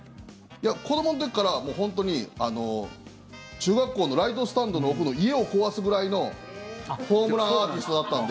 いや、子どもの時からもう本当に中学校のライトスタンドの奥の家を壊すぐらいのホームランアーティストだったんで。